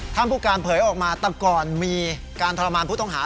ท่านผู้การเผยออกมาแต่ก่อนมีการทรมานผู้ต้องหา